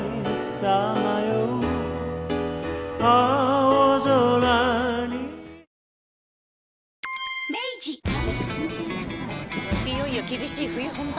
そういよいよ厳しい冬本番。